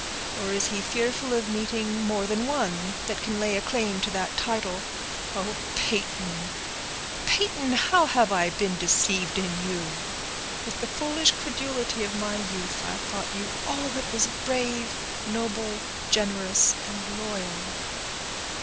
Or is he fearful of meeting more than one that can lay a claim to that title? Oh, Peyton—Peyton, how have I been deceived in you! With the foolish credulity of my youth, I thought you all that was brave, noble, generous, and loyal."